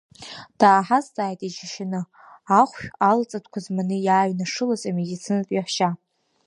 Дааҳазҵааит иџьашьаны, ахәшә, алаҵатәқәа зманы иааҩнашылаз амедицинатә еиҳәшьа.